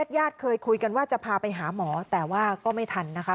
ญาติเคยคุยกันว่าจะพาไปหาหมอแต่ว่าก็ไม่ทันนะคะ